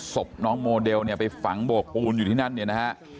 ศพน้องโมเดลเนี่ยไปฝังโบกปูนอยู่ที่นั่นเนี่ยนะฮะ